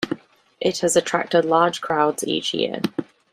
It has attracted large crowds each year.